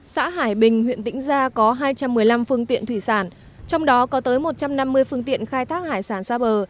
xã hải bình huyện tĩnh gia có hai trăm một mươi năm phương tiện thủy sản trong đó có tới một trăm năm mươi phương tiện khai thác hải sản xa bờ